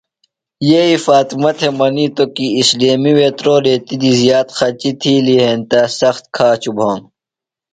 یئی فاطمہ تھےۡ منِیتو کی اِسلیمی وے تُرو ریتیۡ دی زِیات خچیۡ تِھیلیۡ ہینتہ سخت کھاچُوۡ بھانوۡ۔